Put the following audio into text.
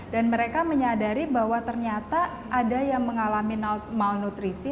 dan mereka menyadari bahwa ternyata ada yang mengalami malnutrisi